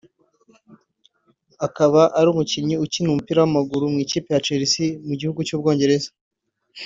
akaba ari umukinnyi ukina umupira w’amaguru mu ikipe ya Chelsea mu gihugu cy’u Bwongereza